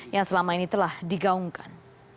yang selama ini telah digaungkan